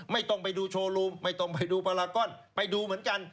ไม่ต้องไปดูโชว์รูมไม่ต้องไปดูปลาก้อนไปดูเหมือนกัน